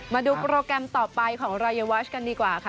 มาดูโปรแกรมต่อไปของรายวัชกันดีกว่าค่ะ